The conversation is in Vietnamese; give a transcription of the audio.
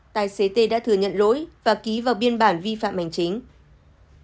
tài xế tê đã thừa nhận lỗi và ký vào biên bản vi phạm hành chính